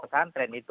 pesantren yang baru